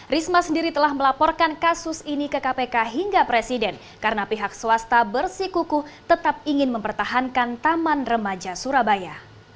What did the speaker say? risma sendiri telah melaporkan kasus ini ke kpk hingga presiden karena pihak swasta bersikukuh tetap ingin mempertahankan taman remaja surabaya